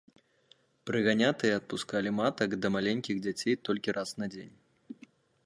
Прыганятыя адпускалі матак да маленькіх дзяцей толькі раз на дзень.